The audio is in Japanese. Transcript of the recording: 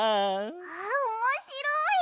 わあおもしろい！